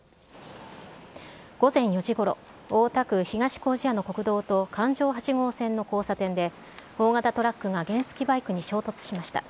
午前４時ごろ、大田区東糀谷の国道と環状８号線の交差点で、大型トラックが原付きバイクに衝突しました。